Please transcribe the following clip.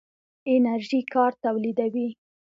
انرژي کار تولیدوي.